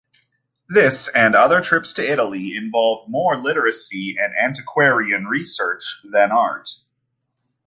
This and other trips to Italy involved more literary and antiquarian research than art.